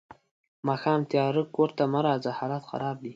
ماښام تیارۀ کور ته مه راځه حالات خراب دي.